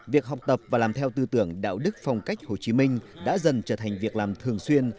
việc học tập và làm theo tư tưởng đạo đức phong cách hồ chí minh đã dần trở thành việc làm thường xuyên